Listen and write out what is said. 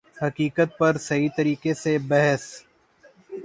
حقیقت پر صحیح طریقہ سے بحث